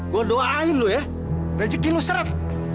gua doain lu ya rezeki lu seret